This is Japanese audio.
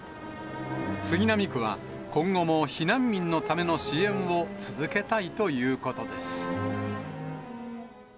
杉並区は、今後も避難民のための支援を続けたいということです。